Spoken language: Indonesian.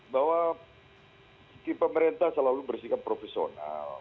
bahwa pemerintah selalu bersikap profesional